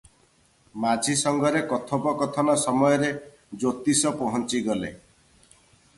ମାଝି ସଙ୍ଗରେ କଥୋପକଥନ ସମୟରେ ଜ୍ୟୋତିଷ ପହଞ୍ଚିଗଲେ ।